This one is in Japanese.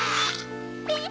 えっ？